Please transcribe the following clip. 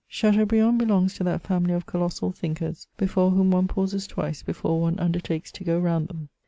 Chateaubriand belongs to that family of colossal thinkers, before whom one pauses twice before one imdertakes to go round them.